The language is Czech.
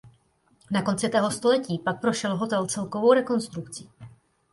Na konci téhož století pak prošel hotel celkovou rekonstrukcí.